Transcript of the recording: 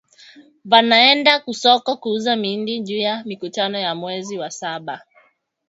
Banaenda kusoko kuuza miindi juya mikutano ya mwezi wa saba